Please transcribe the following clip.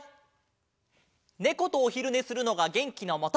ネコとおひるねするのがげんきのもと！